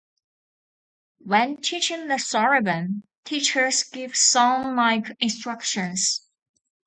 When teaching the soroban, teachers give song-like instructions.